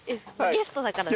「ゲストだから」